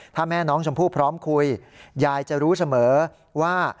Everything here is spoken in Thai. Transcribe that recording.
ถ้าแม่น้องชมพู่พร้อมคุยยายจะรู้เสมอว่า